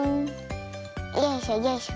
よいしょよいしょ。